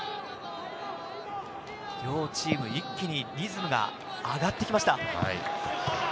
両チーム、一気にリズムが上がってきました。